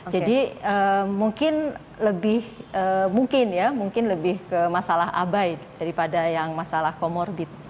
jadi mungkin lebih ke masalah abai daripada yang masalah comorbid